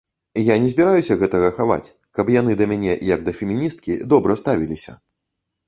Я не збіраюся гэтага хаваць, каб яны да мяне як да феміністкі добра ставіліся.